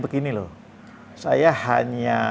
begini loh saya hanya